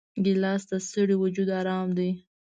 ګیلاس د ستړي وجود آرام دی.